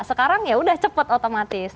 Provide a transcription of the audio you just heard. sekarang ya udah cepet otomatis